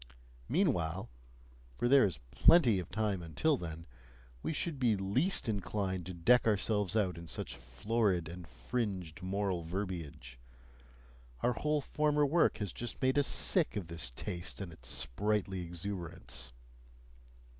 Meanwhile for there is plenty of time until then we should be least inclined to deck ourselves out in such florid and fringed moral verbiage; our whole former work has just made us sick of this taste and its sprightly exuberance.